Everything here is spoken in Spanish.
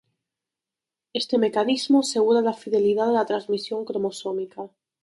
Este mecanismo asegura la fidelidad de la transmisión cromosómica.